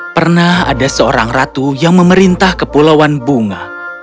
pernah ada seorang ratu yang memerintah kepulauan bunga